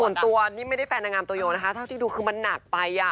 ส่วนตัวนี่ไม่ได้แฟนนางงามตัวโยนะคะเท่าที่ดูคือมันหนักไป